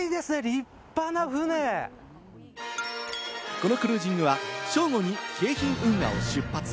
このクルージングは正午に京浜運河を出発。